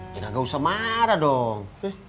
ya gak usah marah dong